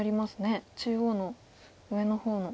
中央の上の方の。